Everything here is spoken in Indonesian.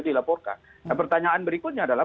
dilaporkan pertanyaan berikutnya adalah